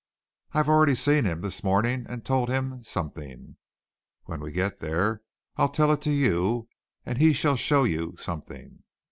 I've already seen him this morning and told him something. When we get there, I'll tell it to you, and he shall show you something.